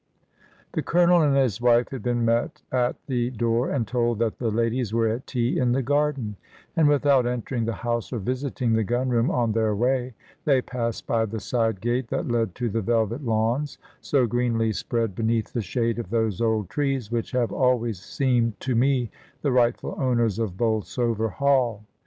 The Colonel and his wife had been met at the door, and told that the ladies were at tea in the garden; and without entering the house or visiting the gun room on their way, they passed by the side gate that led to the velvet lawns, so greenly spread beneath the shade of those old trees which have always seemed to me the rightful owners of Bolsover Hall.